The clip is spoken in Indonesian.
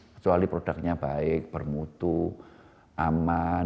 kecuali produknya baik bermutu aman